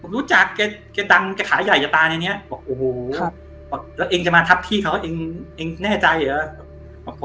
รู้จักแกดำแกขายใหญ่จากตานี้อ๋อแล้วเองจะมาทับที่เขาเองแน่ใจเหรอ